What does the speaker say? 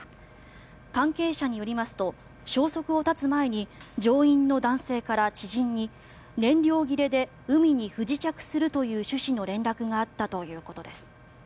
関係者によりますと消息を絶つ前に乗員の男性から知人に燃料切れで海に不時着するという趣旨の連絡があったということです。